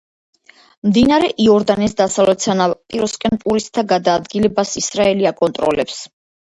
მდინარე იორდანეს დასავლეთ სანაპიროსკენ ტურისტთა გადაადგილებას ისრაელი აკონტროლებს.